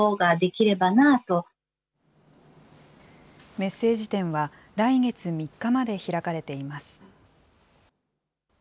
メッセージ展は、来月３日まで開かれています。